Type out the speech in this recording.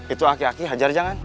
itu aki aki hajar jangan